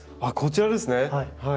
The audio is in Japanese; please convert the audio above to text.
あっこちらですね。